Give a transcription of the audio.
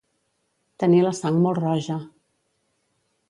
Tenir la sang molt roja.